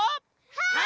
はい！